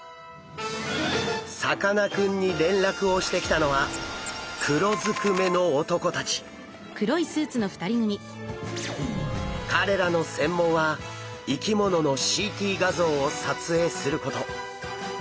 さかなクンに連絡をしてきたのは彼らの専門は生き物のＣＴ画像を撮影すること。